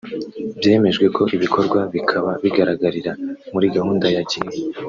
Byemejwe ko ibikorwa bikaba bigaragarira muri gahunda ya Girinka